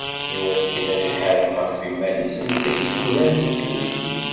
Iwakken ad iḥareb ɣef yiman-is, netta d-iggran di ddunit.